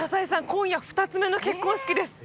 今夜２つ目の結婚式です